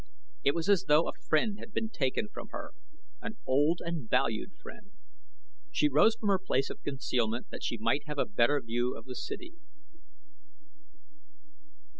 It was as though a friend had been taken from her an old and valued friend. She rose from her place of concealment that she might have a better view of the city.